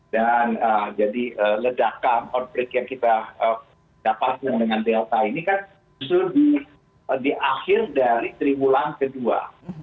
dan jadi ledakan outbreak yang kita dapat dengan delta ini kan justru di akhir dari tiga bulan kedua